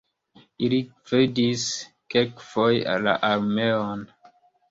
Ili gvidis kelkfoje la armeon.